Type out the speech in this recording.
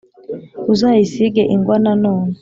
uzayasige ingwa Nanone